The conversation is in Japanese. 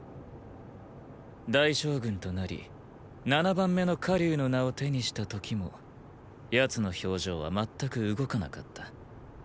大将軍となり七番目の「火龍」の名を手にした時も奴の表情は全く動かなかった。